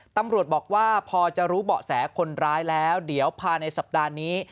ตำรวจบอกว่าพอจะรู้เบาะแสคนร้ายแล้วเดี๋ยวภายในสัปดาห์นี้